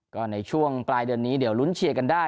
ก็ในช่วงปลายเดือนนี้เดี๋ยวลุ้นเชียร์กันได้